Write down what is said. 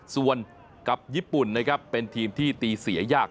ส่วนกับญี่ปุ่นนะครับเป็นทีมที่ตีเสียยาก